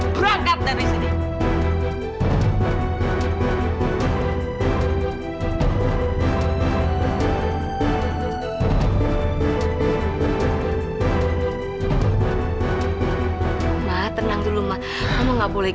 ibu sama anak silahkan keluar